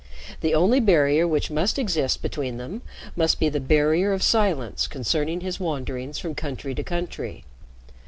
The only barrier which must exist between them must be the barrier of silence concerning his wanderings from country to country.